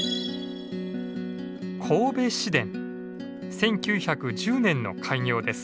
１９１０年の開業です。